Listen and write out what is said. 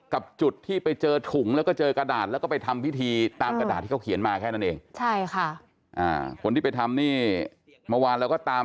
ก็ตามหานะคุณเจใช่ไหมคะไปตามที่บ้านเพราะเขาให้เฟซบุ๊คไว้อ่า